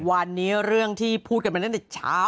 วันนี้เรื่องที่พูดกันมาตั้งแต่เช้า